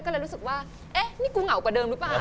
ก็รู้สึกว่าเนี่ยนี่กูเหงากว่าเดิมรึช่าง